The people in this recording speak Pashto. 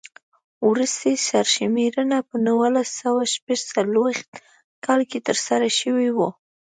وروستۍ سر شمېرنه په نولس سوه شپږ څلوېښت کال کې ترسره شوې وه.